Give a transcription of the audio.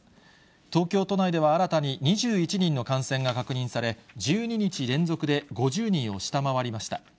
東京都内では新たに２１人の感染が確認され、１２日連続で５０人を下回りました。